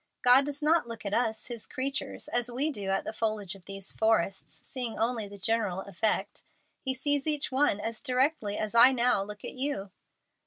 God does not look at us, His creatures, as we do at the foliage of these forests, seeing only the general effect. He sees each one as directly as I now look at you."